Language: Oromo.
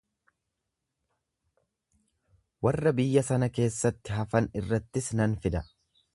Warra biyya sana keessatti hafan irrattis nan fida.